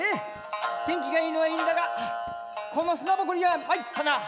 天気がいいのはいいんだがこの砂埃には参ったな」。